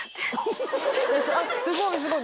すごいすごい。